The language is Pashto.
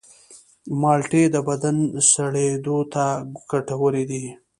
مالټې د بدن سړېدو ته ګټورې دي.